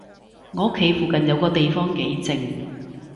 我屋企附近有個地方幾靜